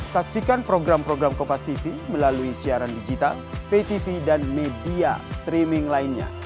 saksikan program program kompastv melalui siaran digital ptv dan media streaming lainnya